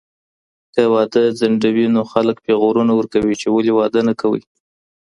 که واده ځنډوي، نو خلک پيغورونه ورکوي، چي ولي واده نکوئ؟